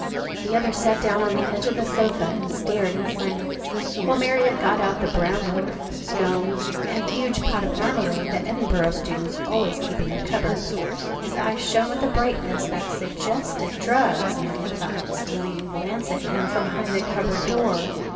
The other sat down on the edge of the sofa and stared in silence, while Marriott got out the brown loaf, scones, and huge pot of marmalade that Edinburgh students always keep in their cupboards. His eyes shone with a brightness that suggested drugs, Marriott thought, stealing a glance at him from behind the cupboard door.